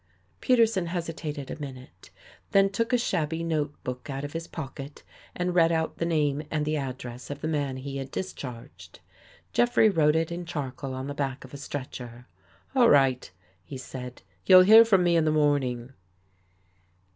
Peterson hesitated a minute, then took a shabby notebook out of his pocket and read out the name and the address of the man he had discharged. Jeffrey wrote it in charcoal on the back of a stretcher. " All right," he said. " You'll hear from me in the morning."